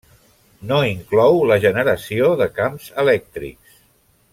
No inclou la generació de camps elèctrics.